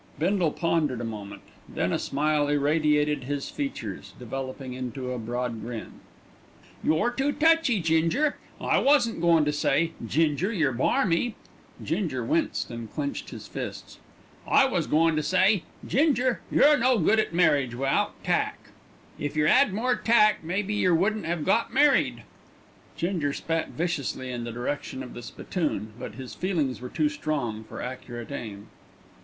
Bindle pondered a moment, then a smile irradiated his features, developing into a broad grin. "You're too touchy, Ginger. I wasn't goin' to say, 'Ginger, you're barmy.'" Ginger winced and clenched his fists. "I was goin' to say, 'Ginger, you're no good at marriage wi'out tack. If yer 'ad more tack maybe yer wouldn't 'ave got married." Ginger spat viciously in the direction of the spittoon, but his feelings were too strong for accurate aim.